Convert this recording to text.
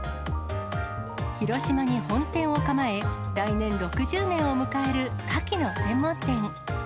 広島に本店を構え、来年６０年を迎えるカキの専門店。